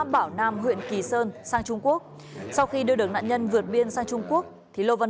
bảo nam huyện kỳ sơn sang trung quốc sau khi đưa được nạn nhân vượt biên sang trung quốc thì lô văn